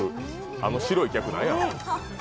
あの白い客、何やねん！